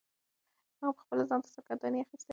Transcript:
هغه پخپله ځان ته سرګرداني اخیستې وه.